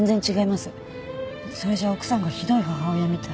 それじゃ奥さんがひどい母親みたい。